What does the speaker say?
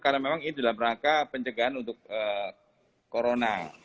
karena memang ini dalam rangka pencegahan untuk corona